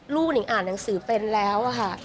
นิงอ่านหนังสือเป็นแล้วค่ะ